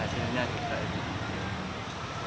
hasilnya juga itu